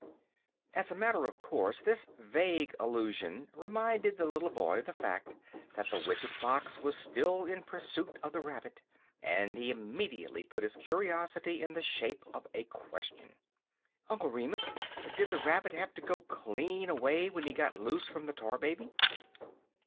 As a matter of course this vague allusion reminded the little boy of the fact that the wicked Fox was still in pursuit of the Rabbit, and he immediately put his curiosity in the shape of a question. "Uncle Remus, did the Rabbit have to go clean away when he got loose from the Tar Baby?"